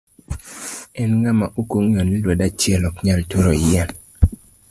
En ng'ama ok ong'eyo ni lwedo achiel ok nyal turo yien?